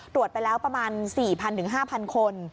ตรวจไปแล้วประมาณ๔๐๐๕๐๐คน